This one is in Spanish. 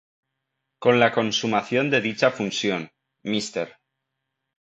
Con la consumación de dicha fusión, Mr.